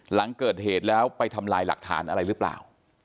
หลังเกิดเหตุแล้วไปทำลายหลักฐานอะไรหรือเปล่า